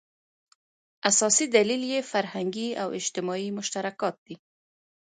اساسي دلیل یې فرهنګي او اجتماعي مشترکات دي.